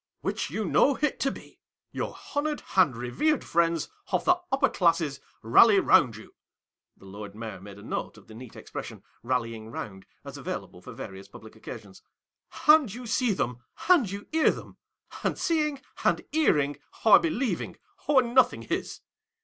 "Which you know it to be ! Your honoured and revered friends of the upper classes, rally round you ;" (the Lord Mayor made a note of the neat expres sion, rallying round, as available for various public occasions) ; "and you see them, and you hear them, and seeing and hearing are believing, or nothing is.